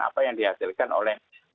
apa yang dihasilkan oleh